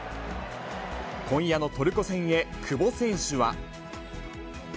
今夜のトルコ戦へ、久保選手は。